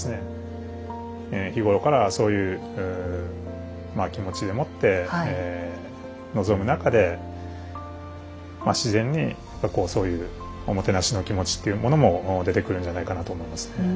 日頃からそういう気持ちでもって臨む中でまあ自然にそういうおもてなしの気持ちというものも出てくるんじゃないかなと思いますね。